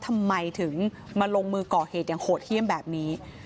ทำไมถึงมาลงมือก่อเหตุอย่างโหดเยี่ยมแบบนี้